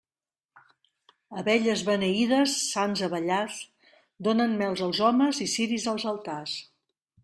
Abelles beneïdes, sants abellars, donen mel als homes i ciris als altars.